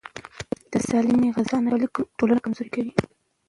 د سالمې غذا نشتوالی ټولنه کمزوري کوي.